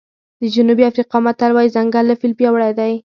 د جنوبي افریقا متل وایي ځنګل له فیل پیاوړی دی.